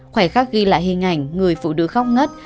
khoảnh khắc ghi lại hình ảnh người phụ nữ khóc ngất